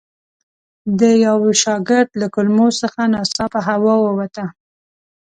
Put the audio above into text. د یوه شاګرد له کلمو څخه ناڅاپه هوا ووته.